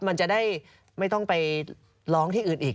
มันจะได้ไม่ต้องไปร้องที่อื่นอีก